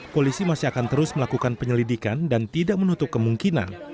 polisi masih akan terus melakukan penyelidikan dan tidak menutup kemungkinan